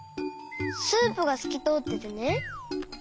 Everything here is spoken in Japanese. スープがすきとおっててね。